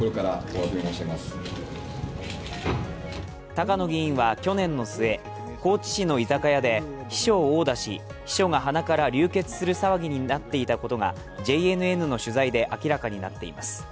高野議員は去年の末高知市の居酒屋で秘書を殴打し、秘書が鼻から流血する騒ぎになっていたことがＪＮＮの取材で明らかになっています